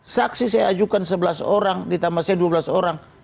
saksi saya ajukan sebelas orang ditambah saya dua belas orang